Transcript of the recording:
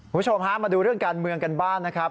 คุณผู้ชมฮะมาดูเรื่องการเมืองกันบ้างนะครับ